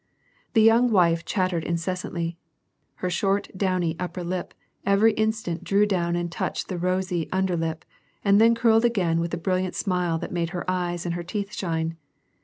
The young wife chattered incessantly. Her short, downy upper lip every instant drew down and touched the rosy under lip, and then curled again with the brilliant smile that made her eyes and her teeth shine.